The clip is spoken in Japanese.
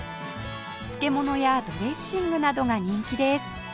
漬け物やドレッシングなどが人気です